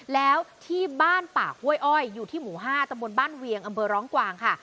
แล้วที่บ้านปากห้วยอ้อยอยู่ที่หมู่๕ตำบลบ้านเวียงอำเภอร้องกวางค่ะ